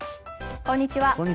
こんにちは。